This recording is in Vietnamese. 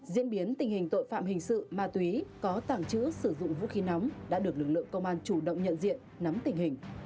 diễn biến tình hình tội phạm hình sự ma túy có tàng trữ sử dụng vũ khí nóng đã được lực lượng công an chủ động nhận diện nắm tình hình